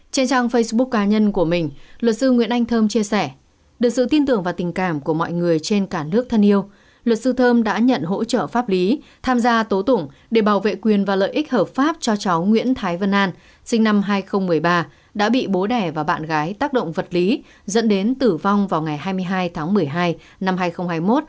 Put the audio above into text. trên trang facebook cá nhân của mình luật sư nguyễn anh thơm chia sẻ được sự tin tưởng và tình cảm của mọi người trên cả nước thân yêu luật sư thơm đã nhận hỗ trợ pháp lý tham gia tố tủng để bảo vệ quyền và lợi ích hợp pháp cho cháu nguyễn thái vân an sinh năm hai nghìn một mươi ba đã bị bố đẻ và bạn gái tác động vật lý dẫn đến tử vong vào ngày hai mươi hai tháng một mươi hai năm hai nghìn hai mươi một